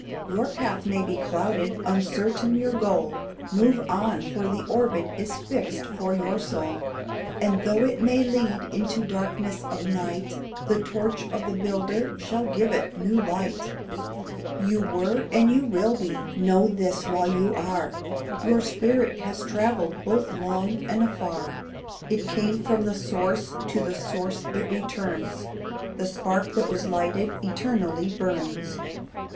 Your path may be clouded, uncertain your goal; Move on, for the orbit is fixed for your soul. And though it may lead into darkness of night, The torch of the Builder shall give it new light. You were, and you will be: know this while you are. Your spirit has travelled both long and afar. It came from the Source, to the Source it returns; The spark that was lighted, eternally burns.